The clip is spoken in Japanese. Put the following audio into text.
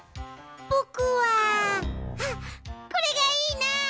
ぼくはあっこれがいいな！